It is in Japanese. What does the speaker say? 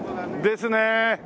ですねえ！